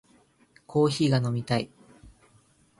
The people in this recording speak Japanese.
コーヒーが飲みたい